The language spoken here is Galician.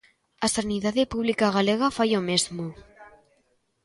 A sanidade pública galega fai o mesmo.